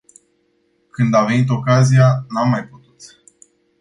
Când a venit ocazia, n-am mai putut.